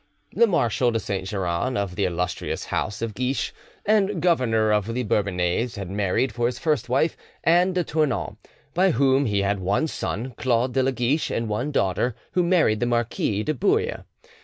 The Marshal de Saint Geran, of the illustrious house of Guiche, and governor of the Bourbonnais, had married, for his first wife, Anne de Tournon, by whom he had one son, Claude de la Guiche, and one daughter, who married the Marquis de Bouille.